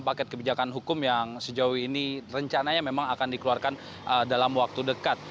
paket kebijakan hukum yang sejauh ini rencananya memang akan dikeluarkan dalam waktu dekat